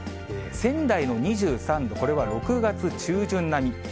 仙台の２３度、これは６月中旬並み。